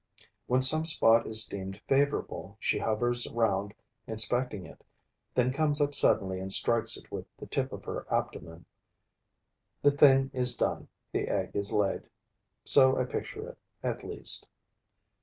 When some spot is deemed favorable, she hovers round inspecting it, then comes up suddenly and strikes it with the tip of her abdomen. The thing is done, the egg is laid. So I picture it, at least.